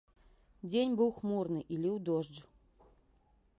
Дзень быў хмурны, і ліў дождж.